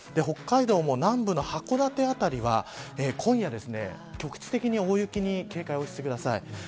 北海道も南部の函館辺りは今夜局地的に大雪に警戒してください。